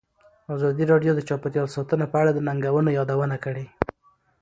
ازادي راډیو د چاپیریال ساتنه په اړه د ننګونو یادونه کړې.